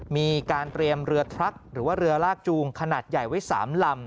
มีการเตรียมเรือทรัคหรือว่าเรือลากจูงขนาดใหญ่ไว้๓ลำ